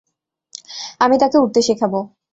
আমি তাকে উড়তে শেখাব।